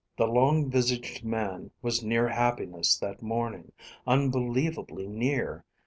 The long visaged man was near happiness that morning, unbelievably near.